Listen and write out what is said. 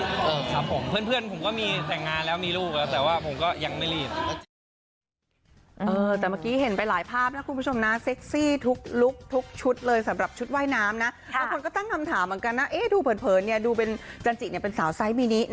ครับผมเพื่อนผมก็มีแต่งงานแล้วมีลูกแล้วแต่ว่าผมก็ยังไม่รีบ